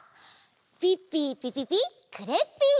ピッピピピピクレッピー！